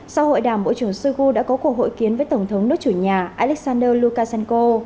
sau hội đàm bộ trưởng shoigu đã có cuộc hội kiến với tổng thống nước chủ nhà alexander lukashenko